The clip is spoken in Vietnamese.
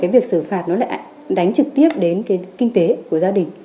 cái việc xử phạt nó lại đánh trực tiếp đến cái kinh tế của gia đình